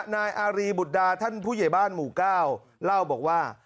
นายอารีบุตรดาท่านผู้ใหญ่บ้านหมู่๙เล่าบอกว่า